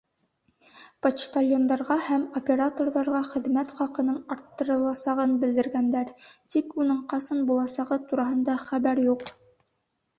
Почтальондарға һәм операторҙарға хеҙмәт хаҡының арттырыласағын белдергәндәр, тик уның ҡасан буласағы тураһында хәбәр юҡ.